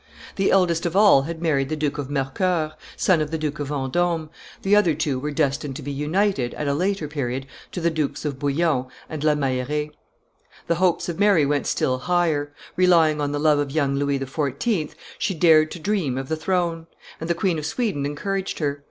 The eldest of all had married the Duke of Mercceur, son of the Duke of Vendome; the other two were destined to be united, at a later period, to the Dukes of Bouillon and La Meilleraye; the hopes of Mary went still higher; relying on the love of young Louis XIV., she dared to dream of the throne; and the Queen of Sweden encouraged her.